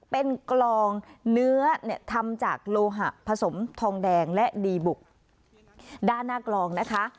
เป็นกลองเนื้อเนี่ยทำจากโลหะผสมทองแดงและดีบุกด้านหน้ากลองนะคะ